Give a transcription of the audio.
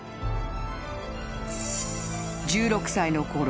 ［１６歳のころ